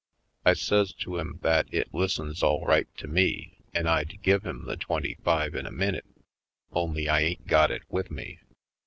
I says to him that it listens all right to me, and I'd give him the twenty five in a minute, only I ain't got it with me.